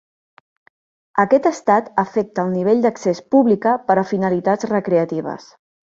Aquest estat afecta el nivell d'accés pública per a finalitats recreatives.